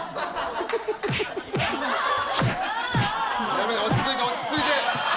だめだ落ち着いて落ち着いて。